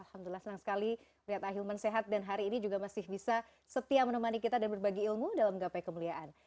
alhamdulillah senang sekali melihat ahilman sehat dan hari ini juga masih bisa setia menemani kita dan berbagi ilmu dalam gapai kemuliaan